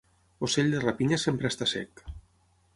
Ocell de rapinya sempre està sec.